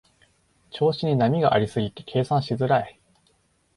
調子に波がありすぎて計算しづらい